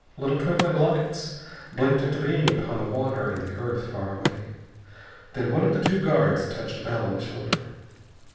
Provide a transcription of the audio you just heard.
Little twinkling lights blinked into being upon the water and the earth far away. Then one of the two guards touched Bell on the shoulder.